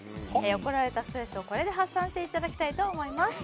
怒られたストレスをこれで発散して頂きたいと思います。